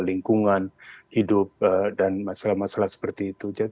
lingkungan hidup dan masalah masalah seperti itu